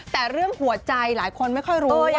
แต่เรื่องหัวใจหลายคนไม่ค่อยรู้เรื่อง